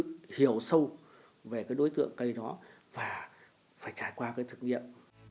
chúng tôi phải hiểu sâu về đối tượng cây đó và phải trải qua thực nghiệm